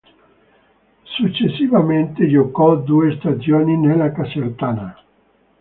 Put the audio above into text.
Successivamente giocò due stagioni nella Casertana.